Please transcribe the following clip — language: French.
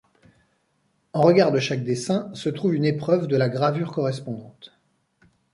En regard de chaque dessins, se trouve une épreuve de la gravure correspondante.